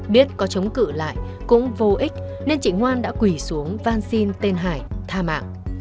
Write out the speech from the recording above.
biết có chống cử lại cũng vô ích nên chị ngoan đã quỷ xuống van xin tên hải tha mạng